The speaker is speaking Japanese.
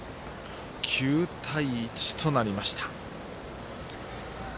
９対１となりました。